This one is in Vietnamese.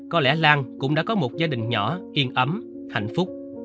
có lẽ lan cũng đã có một gia đình nhỏ yên ấm hạnh phúc